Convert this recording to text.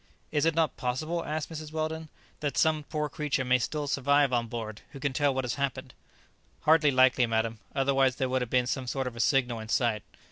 "Is it not possible," asked Mrs Weldon, "that some poor creature may still survive on board, who can tell what has happened?" "Hardly likely, madam; otherwise there would have been some sort of a signal in sight.